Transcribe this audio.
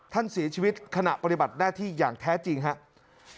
ท่านเสียชีวิตขณะปฏิบัติหน้าที่อย่างแท้จริงครับ